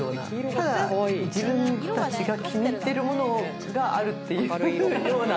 ただ自分たちが気に入ってるものがあるっていうような。